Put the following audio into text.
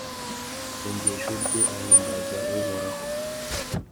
isengesho rye ahimbaze Uhoraho.